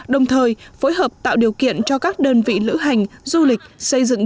đồng thời phối hợp tạo điều kiện cho các đơn vị lữ hành du lịch xây dựng